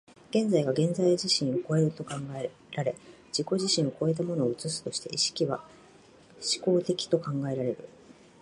現在が現在自身を越えると考えられ、自己自身を越えたものを映すとして、意識は志向的と考えられる。